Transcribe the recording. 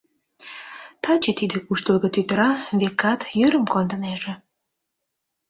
Таче тиде куштылго тӱтыра, векат, йӱрым кондынеже.